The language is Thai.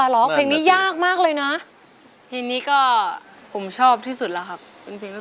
ร้องได้ให้ร้อง